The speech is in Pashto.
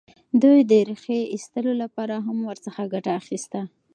دوی د ریښې ایستلو لپاره هم ورڅخه ګټه اخیسته.